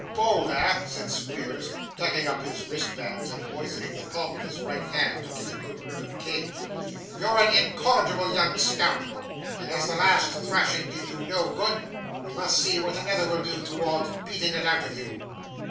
'Bolder,' said Squeers, tucking up his wristbands, and moistening the palm of his right hand to get a good grip of the cane, 'you're an incorrigible young scoundrel, and as the last thrashing did you no good, we must see what another will do towards beating it out of you.